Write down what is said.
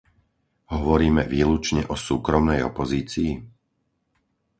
Hovoríme výlučne o súkromnej opozícii?